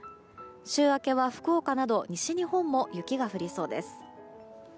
週明けは福岡など西日本も雪が降りそうです。